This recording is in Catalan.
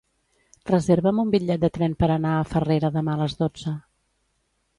Reserva'm un bitllet de tren per anar a Farrera demà a les dotze.